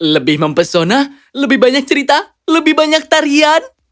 lebih mempesona lebih banyak cerita lebih banyak tarian